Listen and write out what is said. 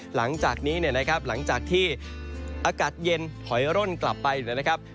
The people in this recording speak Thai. หลังจากนี้เนี่ยนะครับหลังจากที่อากาศเย็นถอยร่นกลับไปนะครับ